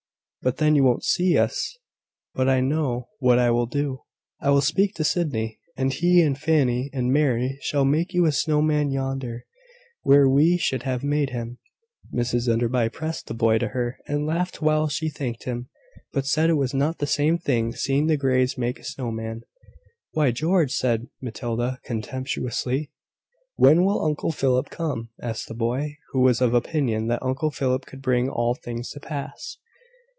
"But then you won't see us. But I know what I will do. I will speak to Sydney, and he and Fanny and Mary shall make you a snow man yonder, where we should have made him." Mrs Enderby pressed the boy to her, and laughed while she thanked him, but said it was not the same thing seeing the Greys make a snow man. "Why, George!" said Matilda, contemptuously. "When will Uncle Philip come?" asked the boy, who was of opinion that Uncle Philip could bring all things to pass.